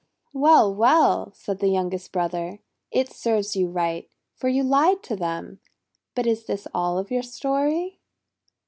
"Well! WTell!' said the youngest brother. 'It served you right, for you lied to them. But is this all of your story?'